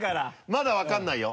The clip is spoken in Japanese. まだ分からないよ！